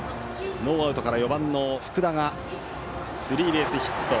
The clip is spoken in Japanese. ノーアウトから４番の福田がスリーベースヒット。